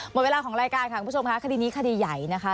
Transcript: หมดเวลาของรายการค่ะคุณผู้ชมค่ะคดีนี้คดีใหญ่นะคะ